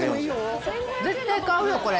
絶対買うよ、これ。